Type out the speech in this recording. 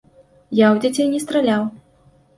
Я ў дзяцей не страляў.